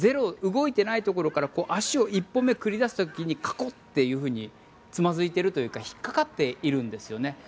動いていないところから足を１歩目繰り出す時にカコッというふうにつまずいているというか引っかかっているんですよね。